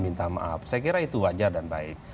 minta maaf saya kira itu wajar dan baik